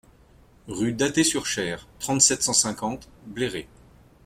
Rue d'Athée sur Cher, trente-sept, cent cinquante Bléré